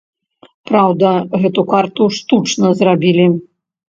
Праўда, гэту карту штучна зрабілі.